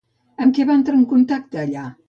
Amb què va entrar en contacte allà?